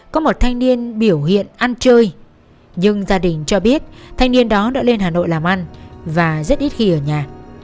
có một thanh niên biểu hiện ăn chơi nhưng gia đình cho biết thanh niên đó đã lên hà nội làm ăn và rất ít khi ở nhà